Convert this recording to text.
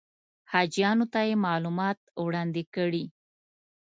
حاجیانو ته دې معلومات وړاندې کړي.